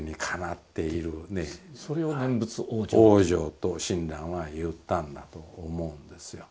と親鸞は言ったんだと思うんですよ。